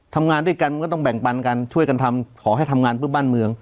ทำงานด้วยกันมันก็ต้องแบ่งปันกันช่วยกันทำขอให้ทำงานเพื่อบ้านเมือง